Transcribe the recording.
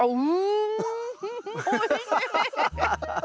おいしい。